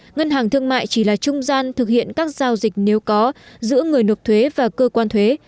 ngân hàng thương mại chỉ là trung gian thực hiện các giao dịch nếu có giữa người nộp thuế và cơ quan thuế